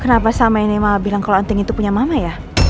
kenapa sama ini malah bilang kalau anting itu punya mama ya